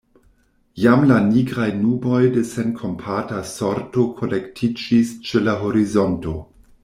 Jam la nigraj nuboj de senkompata sorto kolektiĝis ĉe la horizonto.